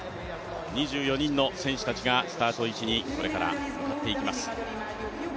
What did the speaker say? ２４人の選手たちがスタート位置にこれから入っていきます。